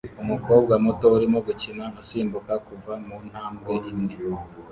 Umukobwa muto arimo gukina asimbuka kuva kuntambwe imwe